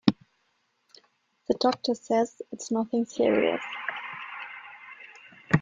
The doctor says it's nothing serious.